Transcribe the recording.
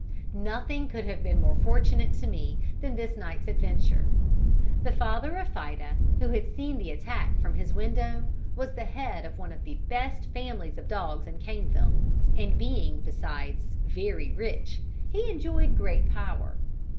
Nothing could have been more fortunate to me than this night's adventure. The father of Fida, who had seen the attack from his window, was the head of one of the best families of dogs in Caneville, and being, besides, very rich, he enjoyed great power.